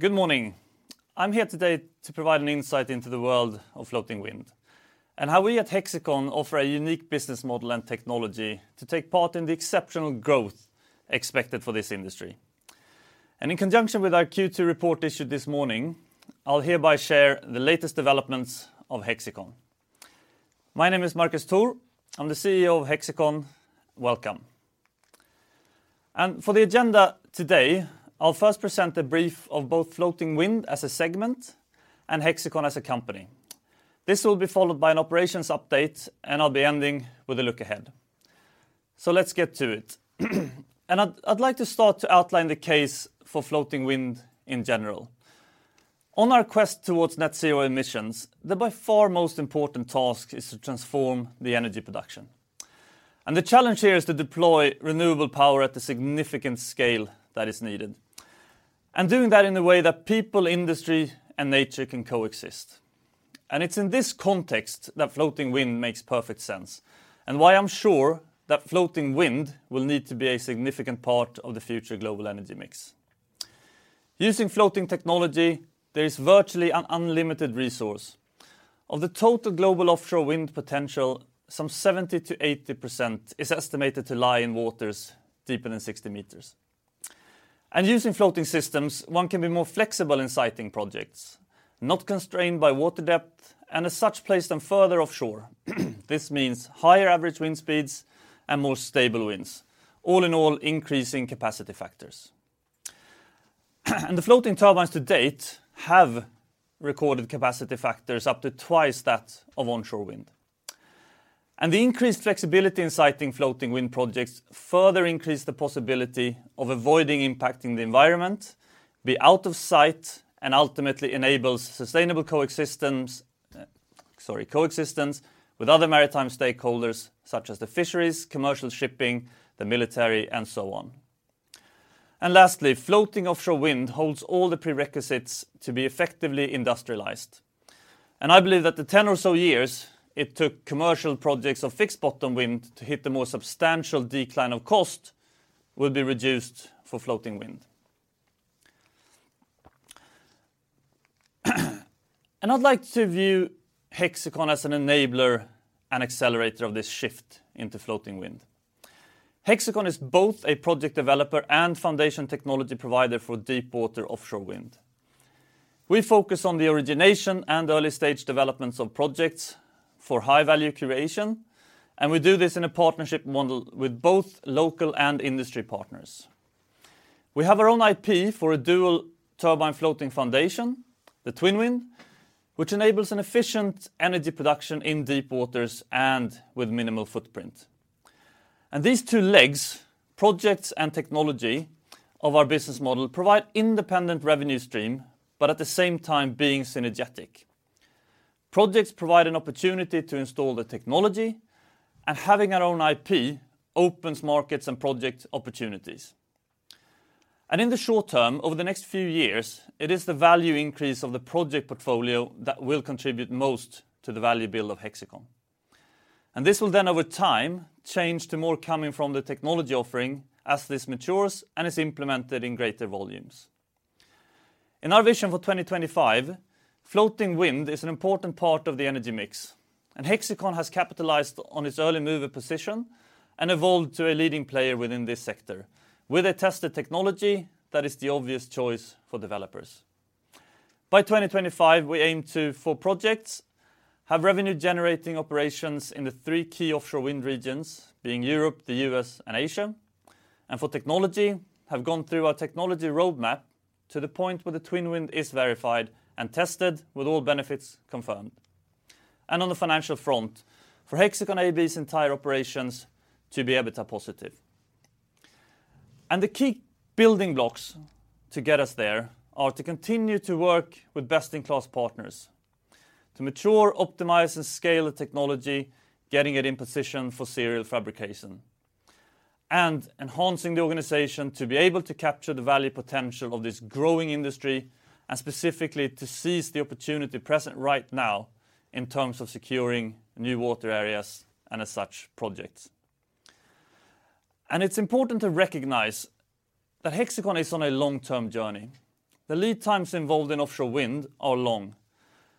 Good morning. I'm here today to provide an insight into the world of floating wind and how we at Hexicon offer a unique business model and technology to take part in the exceptional growth expected for this industry. In conjunction with our Q2 report issued this morning, I'll hereby share the latest developments of Hexicon. My name is Marcus Thor. I'm the CEO of Hexicon. Welcome. For the agenda today, I'll first present a brief of both floating wind as a segment and Hexicon as a company. This will be followed by an operations update, and I'll be ending with a look ahead. Let's get to it. I'd like to start to outline the case for floating wind in general. On our quest towards net zero emissions, the by far most important task is to transform the energy production. The challenge here is to deploy renewable power at the significant scale that is needed, and doing that in a way that people, industry, and nature can coexist. It's in this context that floating wind makes perfect sense, and why I'm sure that floating wind will need to be a significant part of the future global energy mix. Using floating technology, there is virtually an unlimited resource. Of the total global offshore wind potential, some 70%-80% is estimated to lie in waters deeper than 60 m. Using floating systems, one can be more flexible in siting projects, not constrained by water depth, and as such place them further offshore. This means higher average wind speeds and more stable winds, all in all increasing capacity factors. The floating turbines to date have recorded capacity factors up to twice that of onshore wind. The increased flexibility in siting floating wind projects further increase the possibility of avoiding impacting the environment, be out of sight, and ultimately enables sustainable coexistence with other maritime stakeholders such as the fisheries, commercial shipping, the military, and so on. Lastly, floating offshore wind holds all the prerequisites to be effectively industrialized. I believe that the 10 or so years it took commercial projects of fixed bottom wind to hit the more substantial decline of cost will be reduced for floating wind. I'd like to view Hexicon as an enabler and accelerator of this shift into floating wind. Hexicon is both a project developer and foundation technology provider for deep water offshore wind. We focus on the origination and early stage developments of projects for high value creation, and we do this in a partnership model with both local and industry partners. We have our own IP for a dual turbine floating foundation, the TwinWind, which enables an efficient energy production in deep waters and with minimal footprint. These two legs, projects and technology of our business model, provide independent revenue stream, but at the same time being synergetic. Projects provide an opportunity to install the technology, and having our own IP opens markets and project opportunities. In the short term, over the next few years, it is the value increase of the project portfolio that will contribute most to the value build of Hexicon. This will then over time change to more coming from the technology offering as this matures and is implemented in greater volumes. In our vision for 2025, floating wind is an important part of the energy mix, and Hexicon has capitalized on its early mover position and evolved to a leading player within this sector with a tested technology that is the obvious choice for developers. By 2025, we aim to, for projects, have revenue generating operations in the three key offshore wind regions being Europe, the U.S., and Asia. For technology, have gone through our technology roadmap to the point where the TwinWind is verified and tested with all benefits confirmed. On the financial front, for Hexicon AB's entire operations to be EBITA positive. The key building blocks to get us there are to continue to work with best in class partners to mature, optimize, and scale the technology, getting it in position for serial fabrication, and enhancing the organization to be able to capture the value potential of this growing industry and specifically to seize the opportunity present right now in terms of securing new water areas and as such projects. It's important to recognize that Hexicon is on a long-term journey. The lead times involved in offshore wind are long,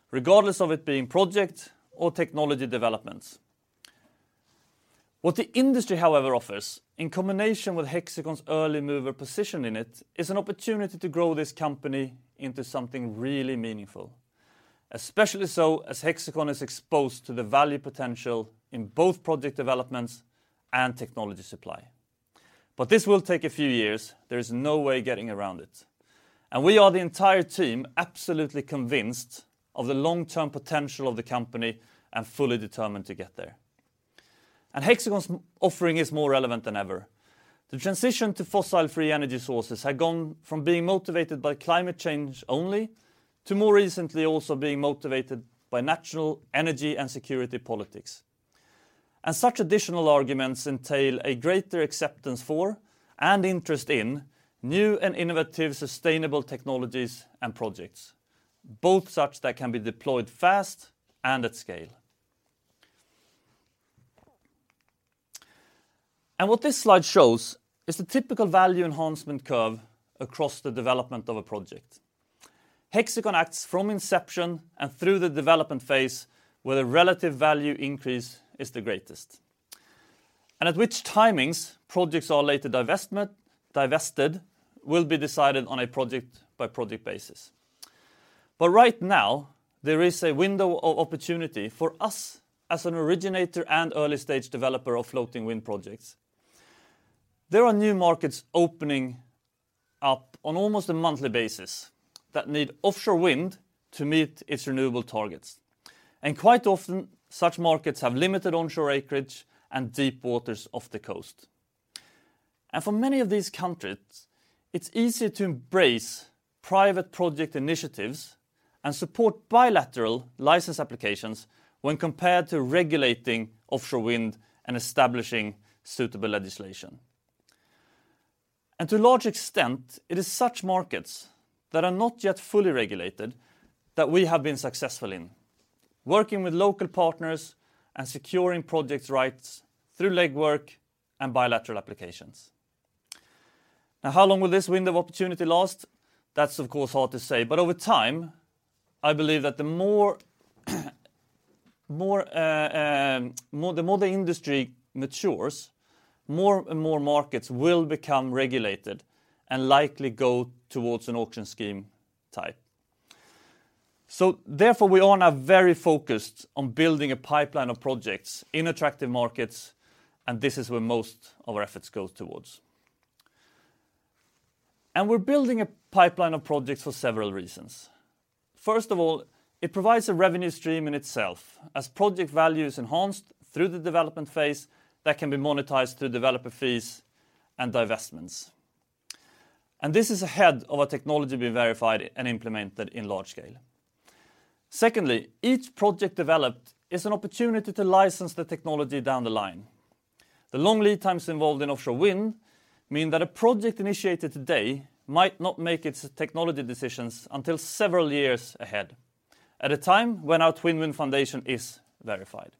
regardless of it being project or technology developments. What the industry, however, offers, in combination with Hexicon's early mover position in it, is an opportunity to grow this company into something really meaningful, especially so as Hexicon is exposed to the value potential in both project developments and technology supply. This will take a few years. There is no way getting around it. We are the entire team absolutely convinced of the long-term potential of the company and fully determined to get there. Hexicon's offering is more relevant than ever. The transition to fossil-free energy sources have gone from being motivated by climate change only to more recently also being motivated by national energy and security politics. Such additional arguments entail a greater acceptance for and interest in new and innovative sustainable technologies and projects, both such that can be deployed fast and at scale. What this slide shows is the typical value enhancement curve across the development of a project. Hexicon acts from inception and through the development phase, where the relative value increase is the greatest. At which timings projects are later divested will be decided on a project-by-project basis. Right now, there is a window of opportunity for us as an originator and early stage developer of floating wind projects. There are new markets opening up on almost a monthly basis that need offshore wind to meet its renewable targets. Quite often, such markets have limited onshore acreage and deep waters off the coast. For many of these countries, it's easy to embrace private project initiatives and support bilateral license applications when compared to regulating offshore wind and establishing suitable legislation. To a large extent, it is such markets that are not yet fully regulated that we have been successful in, working with local partners and securing projects rights through legwork and bilateral applications. Now, how long will this window of opportunity last? That's, of course, hard to say. Over time, I believe that the more the industry matures, more and more markets will become regulated and likely go towards an auction scheme type. Therefore, we all are very focused on building a pipeline of projects in attractive markets, and this is where most of our efforts go towards. We're building a pipeline of projects for several reasons. First of all, it provides a revenue stream in itself as project value is enhanced through the development phase that can be monetized through developer fees and divestments. This is ahead of our technology being verified and implemented in large scale. Secondly, each project developed is an opportunity to license the technology down the line. The long lead times involved in offshore wind mean that a project initiated today might not make its technology decisions until several years ahead, at a time when our TwinWind foundation is verified.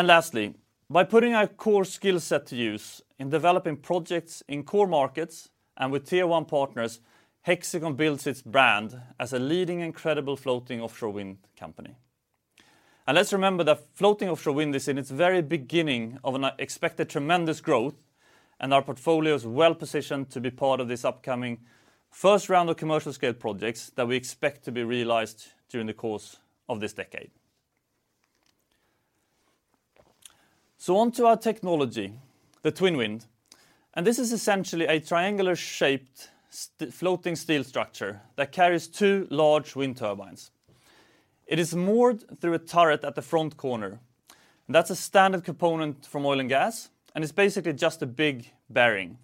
Lastly, by putting our core skill set to use in developing projects in core markets and with Tier 1 partners, Hexicon builds its brand as a leading credible floating offshore wind company. Let's remember that floating offshore wind is in its very beginning of an expected tremendous growth, and our portfolio is well-positioned to be part of this upcoming first round of commercial scale projects that we expect to be realized during the course of this decade. On to our technology, the TwinWind. This is essentially a triangular-shaped floating steel structure that carries two large wind turbines. It is moored through a turret at the front corner. That's a standard component from oil and gas, and it's basically just a big bearing.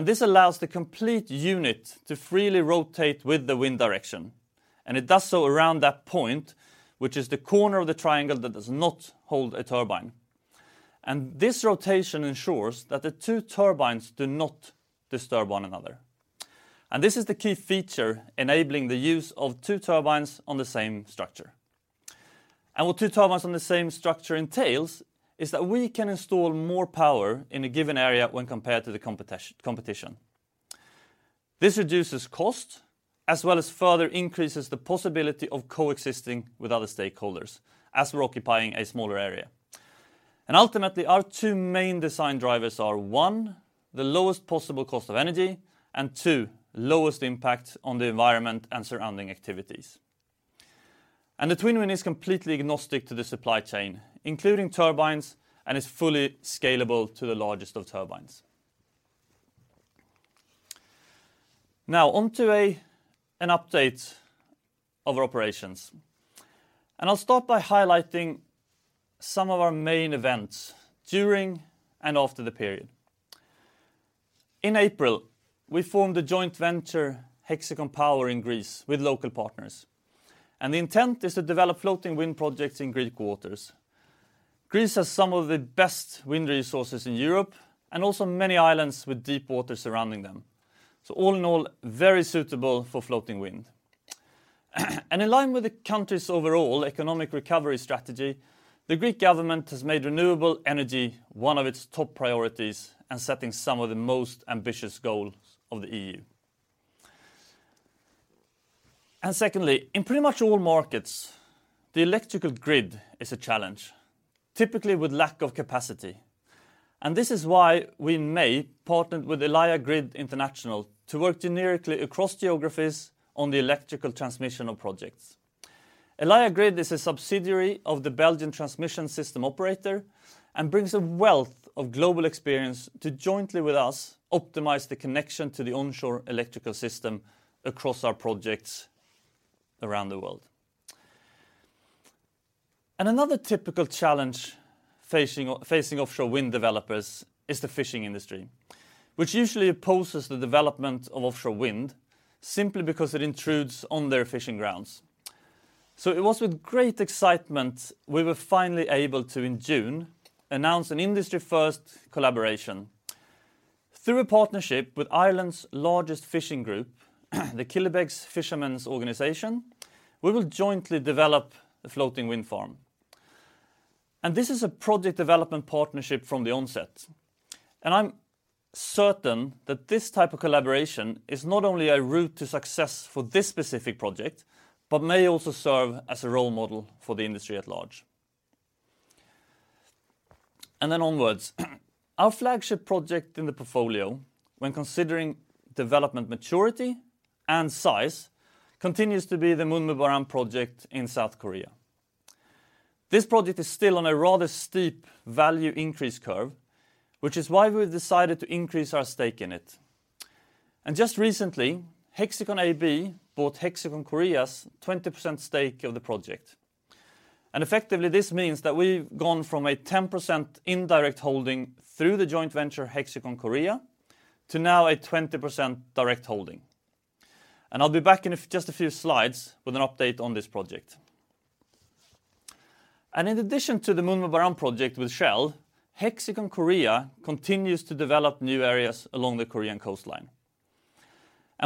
This allows the complete unit to freely rotate with the wind direction. It does so around that point, which is the corner of the triangle that does not hold a turbine. This rotation ensures that the two turbines do not disturb one another. This is the key feature enabling the use of two turbines on the same structure. What two turbines on the same structure entails is that we can install more power in a given area when compared to the competition. This reduces cost as well as further increases the possibility of coexisting with other stakeholders as we're occupying a smaller area. Ultimately, our two main design drivers are, one, the lowest possible cost of energy, and two, lowest impact on the environment and surrounding activities. The TwinWind is completely agnostic to the supply chain, including turbines, and is fully scalable to the largest of turbines. Now on to an update of our operations. I'll start by highlighting some of our main events during and after the period. In April, we formed a joint venture, Hexicon Power SA, in Greece with local partners, and the intent is to develop floating wind projects in Greek waters. Greece has some of the best wind resources in Europe and also many islands with deep water surrounding them. All in all, very suitable for floating wind. In line with the country's overall economic recovery strategy, the Greek government has made renewable energy one of its top priorities and setting some of the most ambitious goals of the EU. Secondly, in pretty much all markets, the electrical grid is a challenge, typically with lack of capacity. This is why we, in May, partnered with Elia Grid International to work generically across geographies on the electrical transmission of projects. Elia Grid is a subsidiary of the Belgian Transmission System Operator and brings a wealth of global experience to jointly, with us, optimize the connection to the onshore electrical system across our projects around the world. Another typical challenge facing offshore wind developers is the fishing industry, which usually opposes the development of offshore wind simply because it intrudes on their fishing grounds. It was with great excitement we were finally able to, in June, announce an industry-first collaboration. Through a partnership with Ireland's largest fishing group, the Killybegs Fishermen's Organisation, we will jointly develop a floating wind farm. This is a project development partnership from the onset, and I'm certain that this type of collaboration is not only a route to success for this specific project, but may also serve as a role model for the industry at large. Then onwards. Our flagship project in the portfolio when considering development maturity and size continues to be the MunmuBaram project in South Korea. This project is still on a rather steep value increase curve, which is why we've decided to increase our stake in it. Just recently, Hexicon bought Hexicon Korea's 20% stake of the project. Effectively, this means that we've gone from a 10% indirect holding through the joint venture Hexicon Korea to now a 20% direct holding. I'll be back in just a few slides with an update on this project. In addition to the MunmuBaram project with Shell, Hexicon Korea continues to develop new areas along the Korean coastline.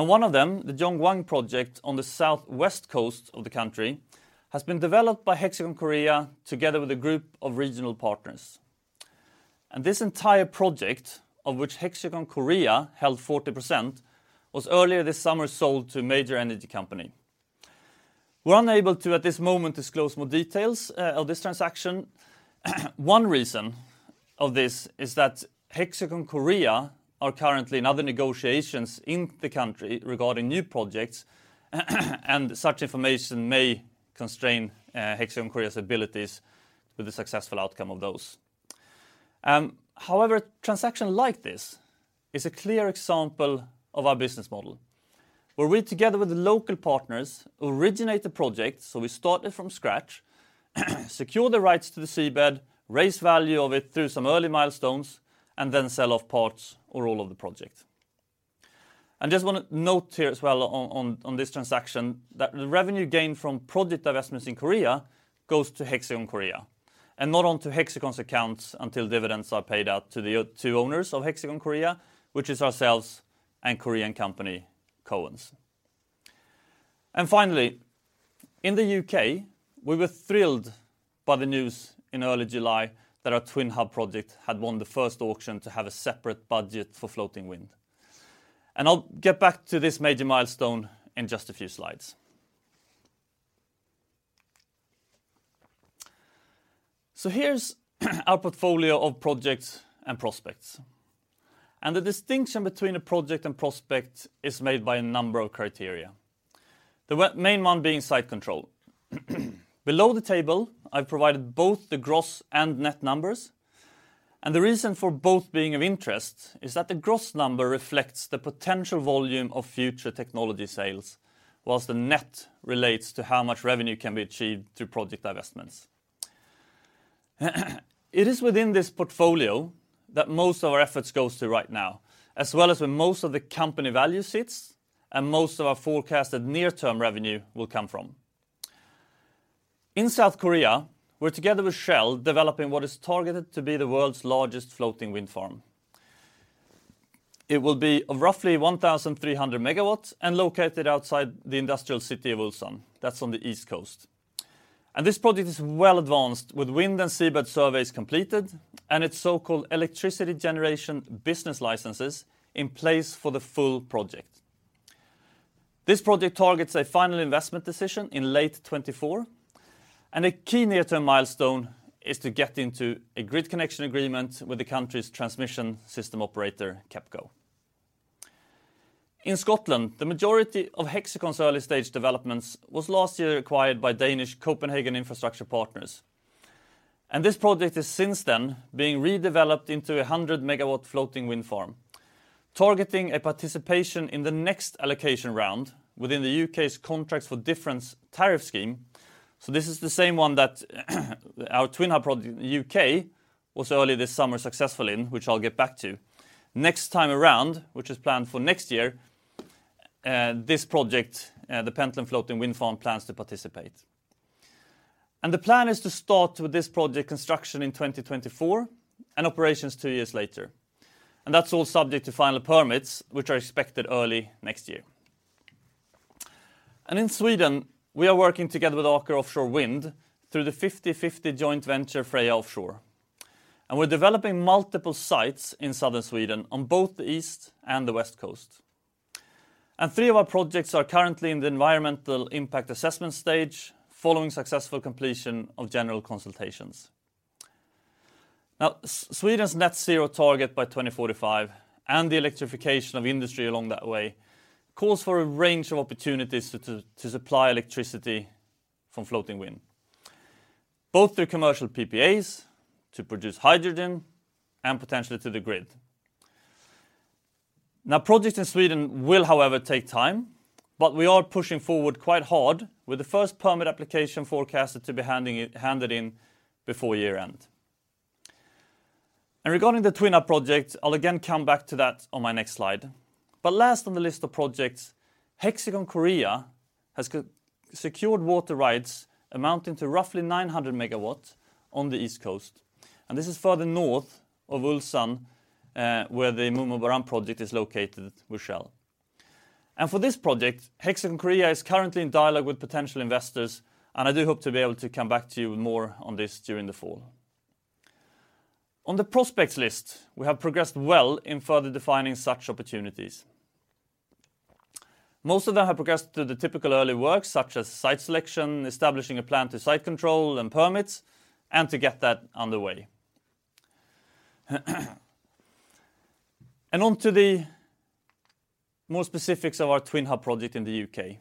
One of them, the Jeongwang project on the southwest coast of the country, has been developed by Hexicon Korea together with a group of regional partners. This entire project, of which Hexicon Korea held 40%, was earlier this summer sold to a major energy company. We're unable to, at this moment, disclose more details of this transaction. One reason of this is that Hexicon Korea are currently in other negotiations in the country regarding new projects, and such information may constrain Hexicon Korea's abilities with the successful outcome of those. However, transaction like this is a clear example of our business model, where we, together with the local partners, originate the project, so we start it from scratch, secure the rights to the seabed, raise value of it through some early milestones, and then sell off parts or all of the project. Just wanna note here as well on this transaction that the revenue gained from project divestments in Korea goes to Hexicon Korea and not onto Hexicon's accounts until dividends are paid out to the to owners of Hexicon Korea, which is ourselves and Korean company COENS. Finally, in the U.K., we were thrilled by the news in early July that our TwinHub project had won the first auction to have a separate budget for floating wind. I'll get back to this major milestone in just a few slides. Here's our portfolio of projects and prospects. The distinction between a project and prospect is made by a number of criteria. The main one being site control. Below the table, I've provided both the gross and net numbers. The reason for both being of interest is that the gross number reflects the potential volume of future technology sales, while the net relates to how much revenue can be achieved through project divestments. It is within this portfolio that most of our efforts goes to right now, as well as where most of the company value sits and most of our forecasted near-term revenue will come from. In South Korea, we're together with Shell, developing what is targeted to be the world's largest floating wind farm. It will be of roughly 1,300 MW and located outside the industrial city of Ulsan. That's on the east coast. This project is well advanced, with wind and seabed surveys completed, and its so-called electricity business licenses in place for the full project. This project targets a final investment decision in late 2024, and a key near-term milestone is to get into a grid connection agreement with the country's transmission system operator, KEPCO. In Scotland, the majority of Hexicon's early stage developments was last year acquired by Danish Copenhagen Infrastructure Partners. This project is since then being redeveloped into a 100-MW floating wind farm, targeting a participation in the next allocation round within the U.K.'s Contracts for Difference tariff scheme. This is the same one that our TwinHub project in the U.K. was early this summer successful in, which I'll get back to. Next time around, which is planned for next year, this project, the Pentland Floating Wind Farm, plans to participate. The plan is to start with this project construction in 2024 and operations two years later. That's all subject to final permits, which are expected early next year. In Sweden, we are working together with Aker Offshore Wind through the 50/50 joint venture Freja Offshore. We're developing multiple sites in southern Sweden on both the east and the west coast. Three of our projects are currently in the environmental impact assessment stage following successful completion of general consultations. Now, Sweden's net zero target by 2045 and the electrification of industry along that way calls for a range of opportunities to supply electricity from floating wind, both through commercial PPAs, to produce hydrogen, and potentially to the grid. Now, projects in Sweden will, however, take time, but we are pushing forward quite hard with the first permit application forecasted to be handed in before year-end. Regarding the TwinHub project, I'll again come back to that on my next slide. Last on the list of projects, Hexicon Korea has co-secured water rights amounting to roughly 900 MW on the East Coast. This is further north of Ulsan, where the MunmuBaram project is located with Shell. For this project, Hexicon Korea is currently in dialogue with potential investors, and I do hope to be able to come back to you with more on this during the fall. On the prospects list, we have progressed well in further defining such opportunities. Most of them have progressed through the typical early work, such as site selection, establishing a plan to site control and permits, and to get that underway. On to the more specifics of our TwinHub project in the U.K.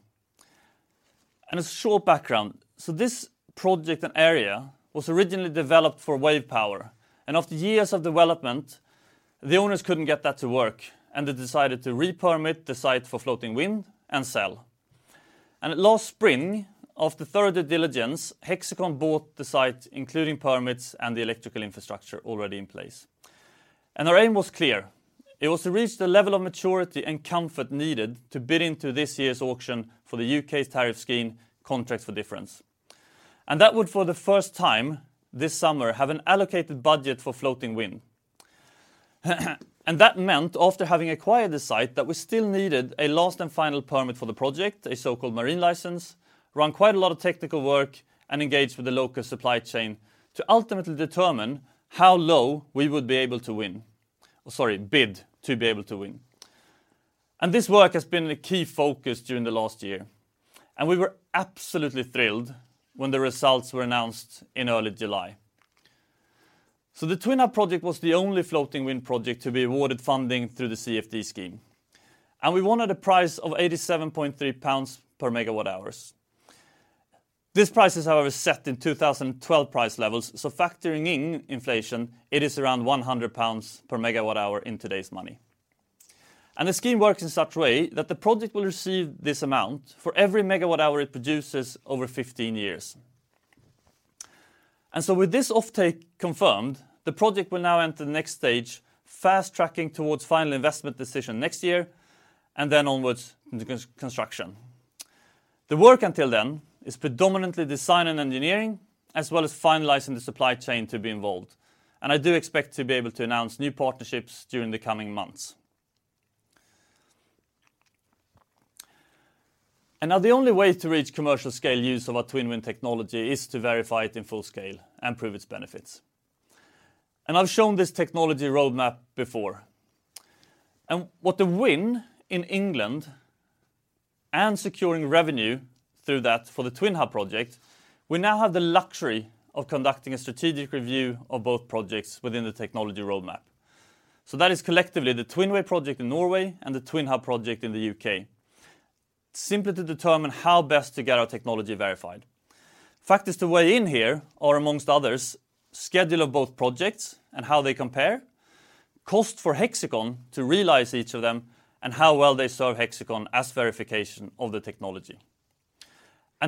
A short background. This project and area was originally developed for wave power, and after years of development, the owners couldn't get that to work, and they decided to re-permit the site for floating wind and sell. Last spring, after thorough due diligence, Hexicon bought the site, including permits and the electrical infrastructure already in place. Our aim was clear. It was to reach the level of maturity and comfort needed to bid into this year's auction for the U.K.'s tariff scheme, Contracts for Difference. That would, for the first time this summer, have an allocated budget for floating wind. That meant after having acquired the site, that we still needed a last and final permit for the project, a so-called marine license, run quite a lot of technical work, and engage with the local supply chain to ultimately determine how low we would bid to be able to win. This work has been a key focus during the last year, and we were absolutely thrilled when the results were announced in early July. The TwinHub project was the only floating wind project to be awarded funding through the CfD scheme. We won at a price of 87.3 pounds per MWh. This price is, however, set in 2012 price levels, so factoring in inflation, it is around 100 pounds per MWh in today's money. The scheme works in such a way that the project will receive this amount for every MWh it produces over 15 years. With this offtake confirmed, the project will now enter the next stage, fast-tracking towards final investment decision next year, and then onwards into construction. The work until then is predominantly design and engineering, as well as finalizing the supply chain to be involved, and I do expect to be able to announce new partnerships during the coming months. Now the only way to reach commercial scale use of our TwinWind technology is to verify it in full scale and prove its benefits. I've shown this technology roadmap before. With the win in England and securing revenue through that for the TwinHub project, we now have the luxury of conducting a strategic review of both projects within the technology roadmap. That is collectively the TwinWay project in Norway and the TwinHub project in the U.K. Simply to determine how best to get our technology verified. Factors to weigh in here are, among others, schedule of both projects and how they compare, cost for Hexicon to realize each of them, and how well they serve Hexicon as verification of the technology.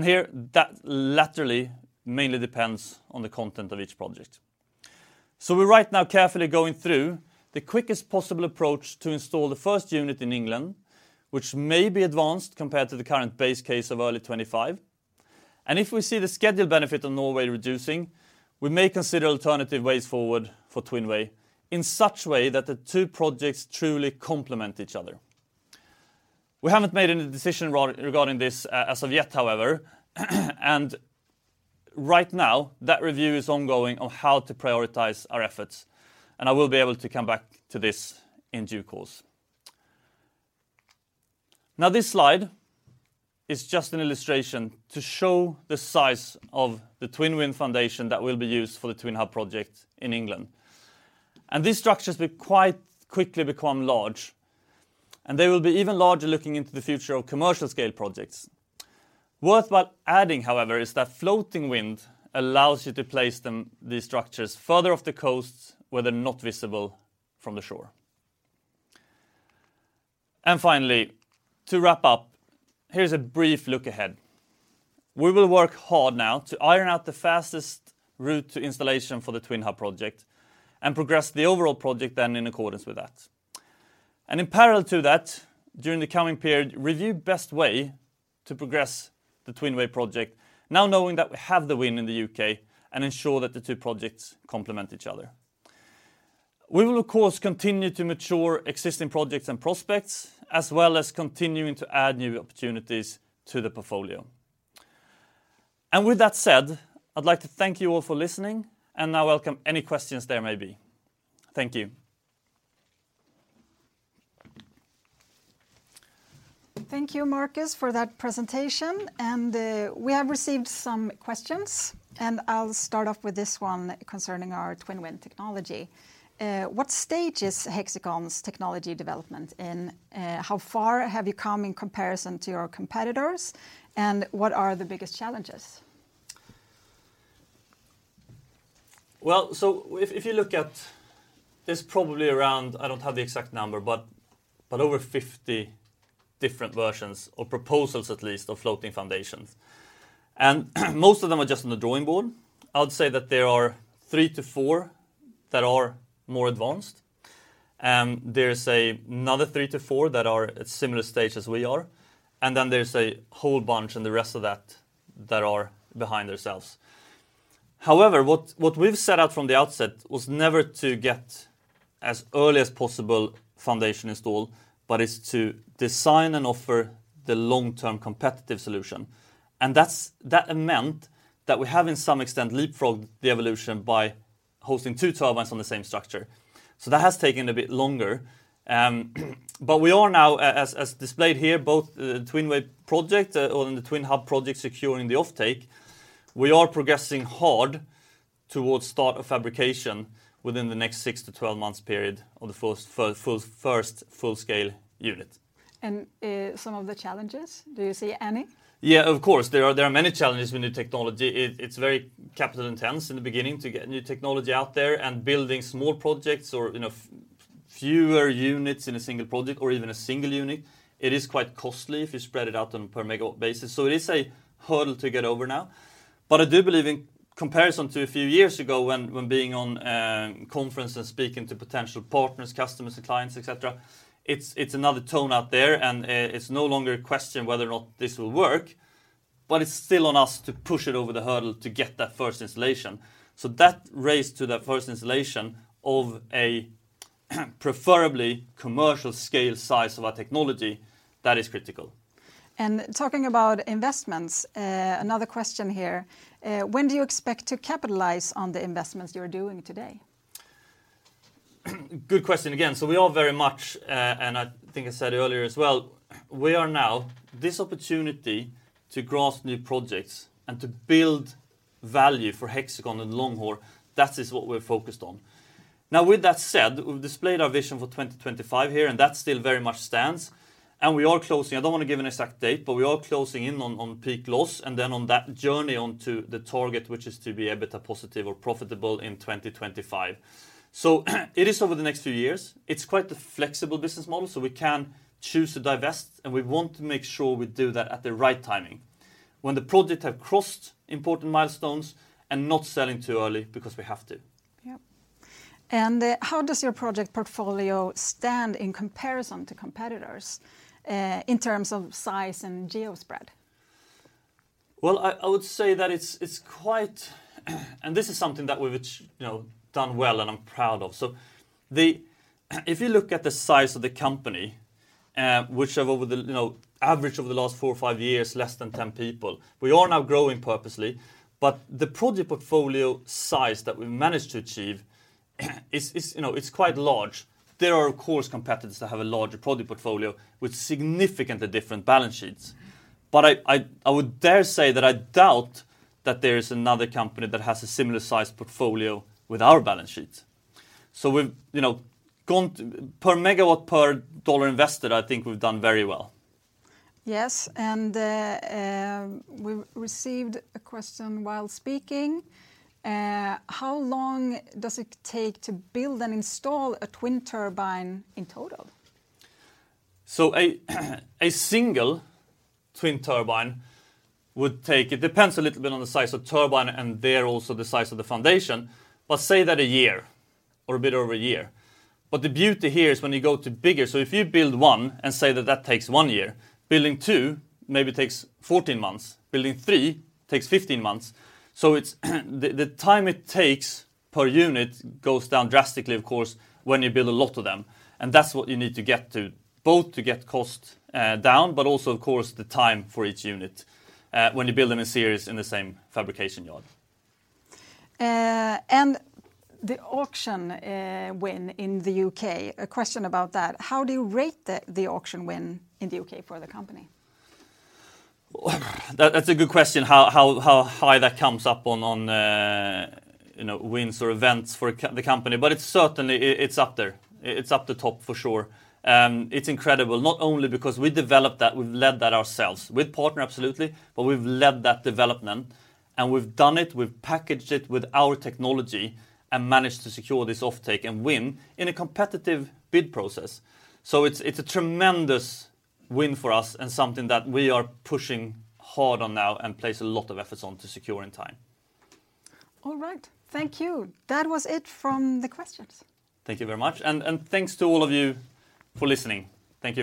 Here, that ultimately mainly depends on the content of each project. We're right now carefully going through the quickest possible approach to install the first unit in England, which may be advanced compared to the current base case of early 2025. If we see the schedule benefit of Norway reducing, we may consider alternative ways forward for TwinWay in such way that the two projects truly complement each other. We haven't made any decision regarding this as of yet, however, and right now, that review is ongoing on how to prioritize our efforts, and I will be able to come back to this in due course. Now, this slide is just an illustration to show the size of the TwinWind foundation that will be used for the TwinHub project in England. These structures will quite quickly become large, and they will be even larger looking into the future of commercial scale projects. Worthwhile adding, however, is that floating wind allows you to place them, these structures, further off the coasts where they're not visible from the shore. Finally, to wrap up, here's a brief look ahead. We will work hard now to iron out the fastest route to installation for the TwinHub project and progress the overall project then in accordance with that. In parallel to that, during the coming period, review best way to progress the TwinWay project, now knowing that we have the win in the U.K., and ensure that the two projects complement each other. We will of course continue to mature existing projects and prospects, as well as continuing to add new opportunities to the portfolio. With that said, I'd like to thank you all for listening, and now welcome any questions there may be. Thank you. Thank you, Marcus, for that presentation. We have received some questions, and I'll start off with this one concerning our TwinWind technology. What stage is Hexicon's technology development in? How far have you come in comparison to your competitors? What are the biggest challenges? Well, if you look at this, probably around, I don't have the exact number, but over 50 different versions or proposals, at least, of floating foundations. Most of them are just on the drawing board. I would say that there are three to four that are more advanced. There's another three to four that are at similar stage as we are, and then there's a whole bunch and the rest of that that are behind themselves. However, what we've set out from the outset was never to get as early as possible foundation installed, but is to design and offer the long-term competitive solution, and that's that meant that we have in some extent leapfrogged the evolution by hosting two turbines on the same structure. That has taken a bit longer, but we are now, as displayed here, both the TwinWay project and the TwinHub project securing the offtake. We are progressing hard towards start of fabrication within the next six to 12 months period of the first full-scale unit. Some of the challenges, do you see any? Yeah, of course, there are many challenges with new technology. It's very capital intensive in the beginning to get new technology out there and building small projects or, you know, fewer units in a single project or even a single unit, it is quite costly if you spread it out on per megawatt basis. So it is a hurdle to get over now. I do believe in comparison to a few years ago when being on conference and speaking to potential partners, customers, and clients, et cetera, it's another tone out there and, it's no longer a question whether or not this will work, but it's still on us to push it over the hurdle to get that first installation. So that race to that first installation of a preferably commercial scale size of our technology, that is critical. Talking about investments, another question here, when do you expect to capitalize on the investments you're doing today? Good question again. We are very much, and I think I said earlier as well, this opportunity to grasp new projects and to build value for Hexicon and long-term, that is what we're focused on. Now with that said, we've displayed our vision for 2025 here, and that still very much stands, and I don't wanna give an exact date, but we are closing in on peak loss, and then on that journey onto the target, which is to be a bit of positive or profitable in 2025. It is over the next few years. It's quite a flexible business model, so we can choose to divest, and we want to make sure we do that at the right timing, when the project have crossed important milestones and not selling too early because we have to. How does your project portfolio stand in comparison to competitors in terms of size and geo spread? I would say that it's quite. This is something that we've, you know, done well and I'm proud of. If you look at the size of the company, which over the, you know, average over the last four or five years, less than 10 people, we are now growing purposely, but the project portfolio size that we managed to achieve is, you know, it's quite large. There are of course competitors that have a larger project portfolio with significantly different balance sheets. I would dare say that I doubt that there is another company that has a similar sized portfolio with our balance sheet. We've, you know, gone. Per MW per dollar invested, I think we've done very well. Yes. We received a question while speaking, how long does it take to build and install a twin turbine in total? A single twin turbine would take. It depends a little bit on the size of turbine and then also the size of the foundation, but say that a year or a bit over a year. The beauty here is when you go to bigger, so if you build one and say that that takes one year, building two maybe takes 14 months, building three takes 15 months. It's the time it takes per unit goes down drastically of course when you build a lot of them, and that's what you need to get to, both to get costs down, but also of course the time for each unit when you build them in series in the same fabrication yard. The auction win in the U.K., a question about that. How do you rate the auction win in the U.K. for the company? That's a good question, how high that comes up on, you know, wins or events for the company, but it's certainly it's up there. It's up to the top for sure. It's incredible, not only because we developed that, we've led that ourselves, with partner absolutely, but we've led that development and we've done it, we've packaged it with our technology and managed to secure this offtake and win in a competitive bid process. It's a tremendous win for us and something that we are pushing hard on now and place a lot of efforts on to secure on time. All right. Thank you. That was it from the questions. Thank you very much. Thanks to all of you for listening. Thank you very much.